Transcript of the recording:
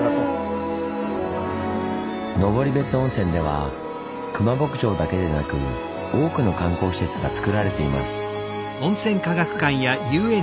登別温泉ではクマ牧場だけでなく多くの観光施設がつくられています。